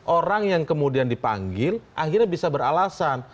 orang yang kemudian dipanggil akhirnya bisa beralasan